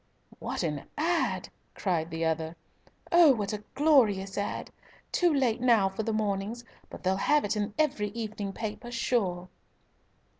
"What an 'ad.'!" cried the other. "Oh, what a glorious 'ad.'! Too late now for the mornings, but they'll have it in every evening paper, sure."